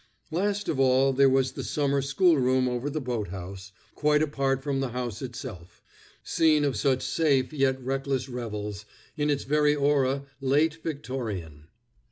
Last of all there was the summer schoolroom over the boat house, quite apart from the house itself; scene of such safe yet reckless revels; in its very aura late Victorian!